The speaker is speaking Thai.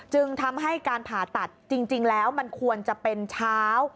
จึงทำให้การผ่าตัดจริงแล้วมันควรจะเป็นเช้า